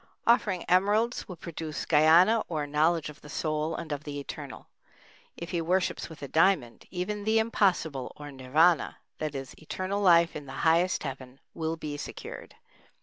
Offering emeralds will produce Gyana or Knowledge of the Soul and of the Eternal. If he worships with a diamond, even the impossible, or Nirvâna, that is Eternal Life in the highest Heaven, will be secured.